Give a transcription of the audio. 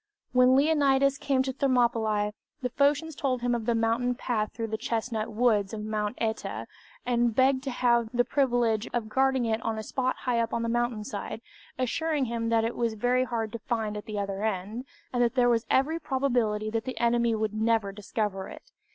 When Leonidas came to Thermopylć, the Phocians told him of the mountain path through the chestnut woods of Mount Śta, and begged to have the privilege of guarding it on a spot high up on the mountain side, assuring him that it was very hard to find at the other end, and that there was every probability that the enemy would never discover it.